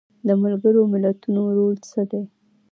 د ملګرو ملتونو رول څه دی؟